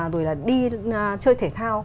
rồi là đi chơi thể thao